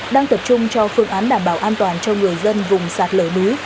đang tập trung cho phương án đảm bảo an toàn cho người dân vùng sạt lở núi